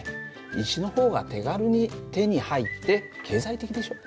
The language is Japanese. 石の方が手軽に手に入って経済的でしょ。